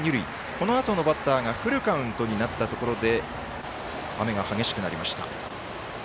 このあとのバッターがフルカウントになったところで雨が激しくなりました。